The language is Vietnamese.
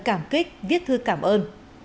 cảm kích viết thư cảm ơn